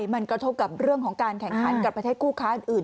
มันกระทบกับเรื่องของการแข่งขันกับประเทศคู่ค้าอื่น